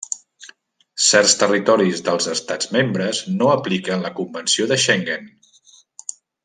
Certs territoris dels Estats membres no apliquen la convenció de Schengen.